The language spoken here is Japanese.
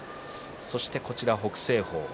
そして北青鵬。